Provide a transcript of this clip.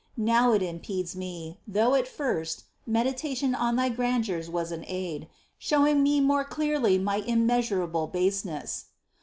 Now it impedes me, though, at first, meditation on Thy grandeurs was an aid, showing me more clearly my own immeasurable baseness.